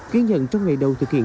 kiến dân trong ngày đầu tự kiệm